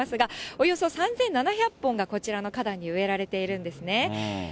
およそ３７００本がこちらの花壇に植えられているんですね。